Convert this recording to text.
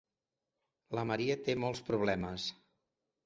La Maria té molts problemes.